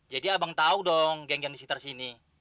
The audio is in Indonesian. jadi abang tahu dong geng geng di sekitar sini